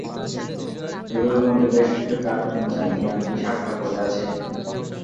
এগুলোর মধ্যে বেশ কিছু ট্রাক তিন-চার দিন আগে এসে আটকা পড়ে আছে।